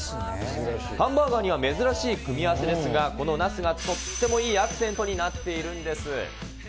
ハンバーガーには珍しい組み合わせですが、このナスがとってもいいアクセントになっているんです。